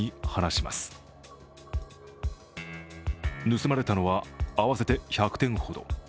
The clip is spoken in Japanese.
盗まれたのは合わせて１００点ほど。